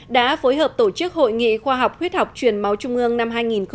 đã phối hợp tổ chức hội nghị khoa học huyết học truyền máu trung ương năm hai nghìn một mươi chín